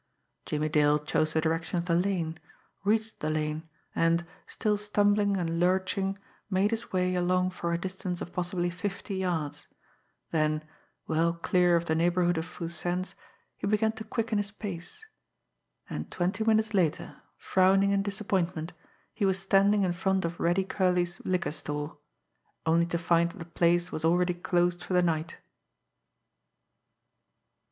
Jimmie Dale chose the direction of the lane, reached the lane, and, still stumbling and lurching, made his way along for a distance of possibly fifty yards; then, well clear of the neighbourhood of Foo Sen's, he began to quicken his pace and twenty minutes later, frowning in disappointment, he was standing in front of Reddy Curley's liquor store, only to find that the place was already closed for the night.